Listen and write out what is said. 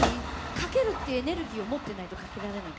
かけるっていうエネルギーを持ってないとかけられないからね。